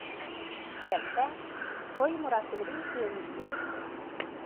سۈرەتتە: توي مۇراسىمىدىن كۆرۈنۈشلەر.